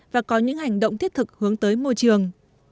và có những hành động thiết thực hướng tới môi trường